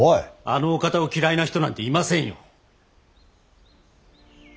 あのお方を嫌いな人なんていませんよ。